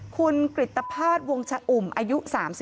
คุณกริตภาษณวงชะอุ่มอายุ๓๒